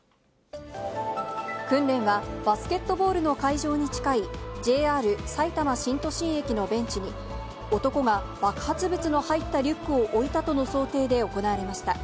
訓練は、バスケットボールの会場に近いＪＲさいたま新都心駅のベンチに、男が爆発物の入ったリュックを置いたとの想定で行われました。